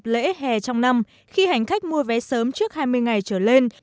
lễ hè trong năm khi hành khách mua vé sớm trước hai mươi ngày trở lên